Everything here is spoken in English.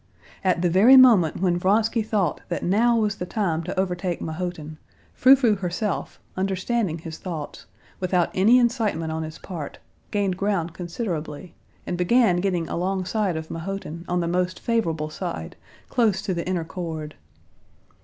At the very moment when Vronsky thought that now was the time to overtake Mahotin, Frou Frou herself, understanding his thoughts, without any incitement on his part, gained ground considerably, and began getting alongside of Mahotin on the most favorable side, close to the inner cord.